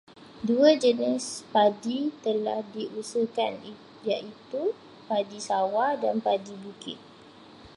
Dua jenis padi telah diusahakan iaitu padi sawah dan padi bukit.